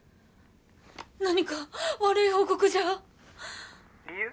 何か悪い報告じゃ「理由？